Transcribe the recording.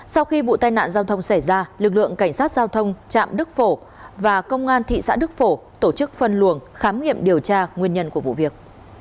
sau khi vụ tai nạn giao thông xảy ra lực lượng cảnh sát giao thông trạm đức phổ và công an thị xã đức phổ tổ chức phân luồng khám nghiệm điều tra nguyên nhân của vụ việc